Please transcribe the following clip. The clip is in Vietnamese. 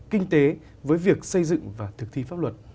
kinh tế với việc xây dựng và thực thi pháp luật